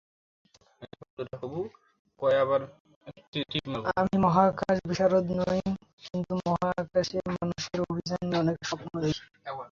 আমি মহাকাশবিশারদ নই, কিন্তু মহাকাশে মানুষের অভিযান নিয়ে অনেক স্বপ্ন দেখি।